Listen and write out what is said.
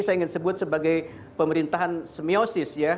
saya ingin sebut sebagai pemerintahan semiosis ya